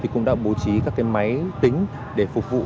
cũng đã bố trí các máy tính để phục vụ